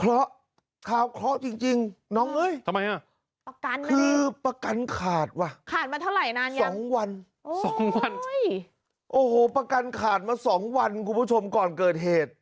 ครอบครอบจริงน้องเฮ้ยคือประกันขาดว่ะสองวันโอ้โหประกันขาดมาสองวันคุณผู้ชมก่อนเกิดเหตุ